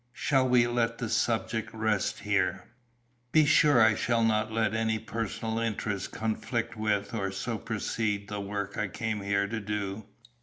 Shall we let the subject rest here? Be sure I shall not let any personal interest conflict with, or supersede, the work I came here to do."